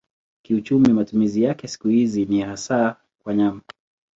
Kiuchumi matumizi yake siku hizi ni hasa kwa nyama.